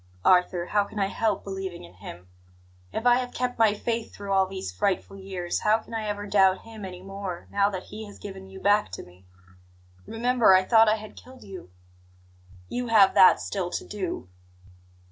"Arthur, how can I help believing in Him? If I have kept my faith through all these frightful years, how can I ever doubt Him any more, now that He has given you back to me? Remember, I thought I had killed you." "You have that still to do."